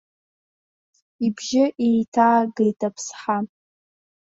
Ибжьы еиҭаагеит аԥсҳа.